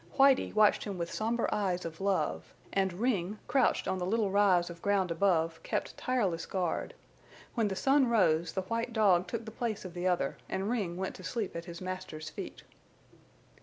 Whitie watched him with somber eyes of love, and Ring, crouched on the little rise of ground above, kept tireless guard. When the sun rose, the white dog took the place of the other, and Ring went to sleep at his master's feet.